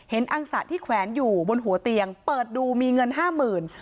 อังสะที่แขวนอยู่บนหัวเตียงเปิดดูมีเงินห้าหมื่น